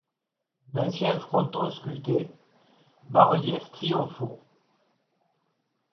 D'anciens frontons sculptés, bas-reliefs triomphaux